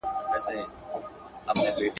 خدایه څه په سره اهاړ کي انتظار د مسافر یم.